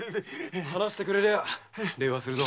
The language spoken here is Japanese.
話してくれりゃ礼はするぞ。